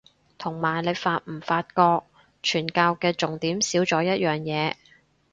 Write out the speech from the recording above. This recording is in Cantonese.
同埋你發唔發覺傳教嘅重點少咗一樣嘢